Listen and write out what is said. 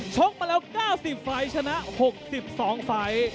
ชกมาแล้ว๙๐ไฟชนะ๖๒ไฟ